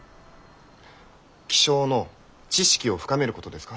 気象の知識を深めることですか？